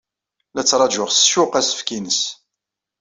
La ttṛajuɣ s ccuq asefk-nnes.